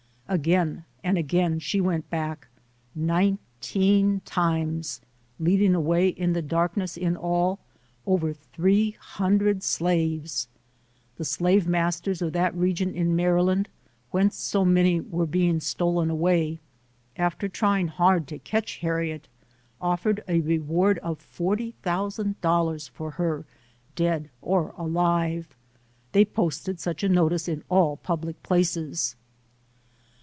Again and again she went back nineteen times leading away in the dark ness, in all, over three hundred slaves. The slave masters of that region in Maryland, whence so many were being stolen away, after trying hard to catch Harriet, offered a reward of $40,000 for her, dead or alive. They posted such a notice in all public places.